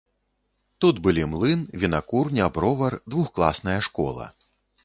Тут былі млын, вінакурня, бровар, двухкласная школа.